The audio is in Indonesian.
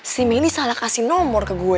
si meli salah kasih nomor ke gue